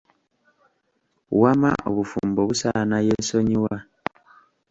Wamma obufumbo busaana yeesonyiwa.